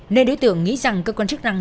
nên đối tượng nghĩ rằng cơ quan chức năng